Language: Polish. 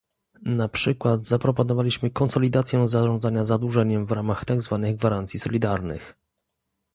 Na przykład zaproponowaliśmy konsolidację zarządzania zadłużeniem w ramach tak zwanych gwarancji solidarnych